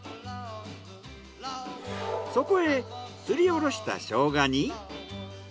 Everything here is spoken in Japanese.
そこへすりおろしたショウガに。